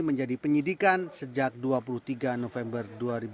menjadi penyidikan sejak dua puluh tiga november dua ribu dua puluh